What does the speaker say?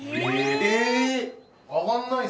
え！